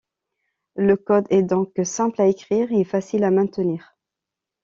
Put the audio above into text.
Le code est donc simple à écrire et facile à maintenir.